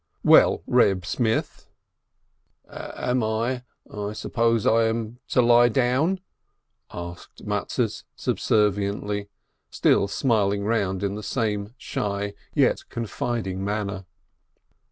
"Well, Reb Smith." "Am I ... I suppose I am to lie down ?" asked Mat tes, subserviently, still smiling round in the same shy and yet confiding manner.